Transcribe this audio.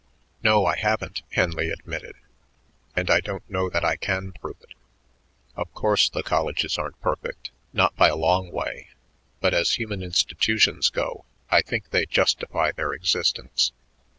"No, I haven't," Henley admitted, "and I don't know that I can prove it. Of course, the colleges aren't perfect, not by a long way, but as human institutions go, I think they justify their existence.